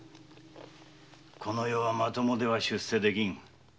この世はまともでは出世できん。